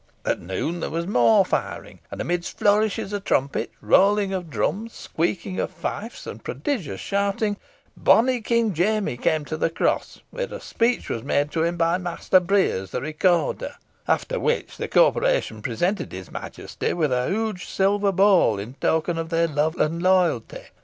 At noon there was more firing; and, amidst flourishes of trumpets, rolling of drums, squeaking of fifes, and prodigious shouting, bonnie King Jamie came to the cross, where a speech was made him by Master Breares, the Recorder; after which the corporation presented his Majesty with a huge silver bowl, in token of their love and loyalty.